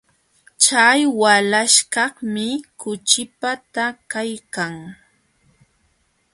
Chay walaśhkaqmi kuchipata kaykan.